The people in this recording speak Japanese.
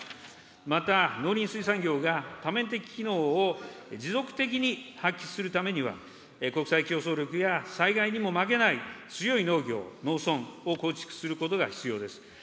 また農林水産業が多面的機能を持続的に発揮するためには、国際競争力や災害にも負けない、強い農業、農村を構築することが必要です。